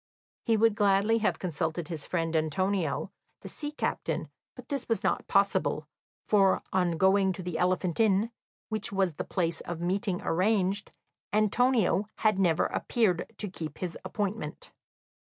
He would gladly have consulted his kind friend Antonio, the sea captain, but this was not possible, for on going to the Elephant Inn, which was the place of meeting arranged, Antonio had never appeared to keep his appointment.